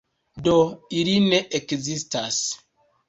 Do ili ne ekzistas.